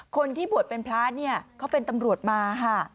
คนที่บวชเป็นพระเขาเป็นตำรวจมา